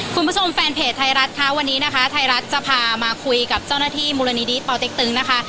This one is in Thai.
แฟนเพจไทยรัฐค่ะวันนี้นะคะไทยรัฐจะพามาคุยกับเจ้าหน้าที่มูลนิธิปอเต็กตึงนะคะ